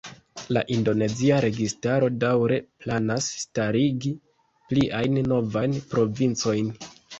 La indonezia registaro daŭre planas starigi pliajn novajn provincojn.